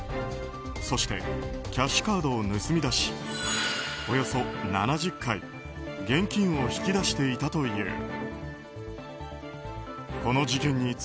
そしてキャッシュカードを盗み出しおよそ７０回現金を引き出していたという。